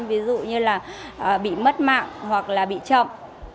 ví dụ như bị mất mạng hoặc bị chậm